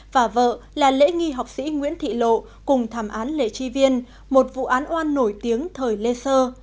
và vợ là lễ nghi học sĩ nguyễn thị lộ cùng thảm án lễ tri viên một vụ án oan nổi tiếng thời lê sơ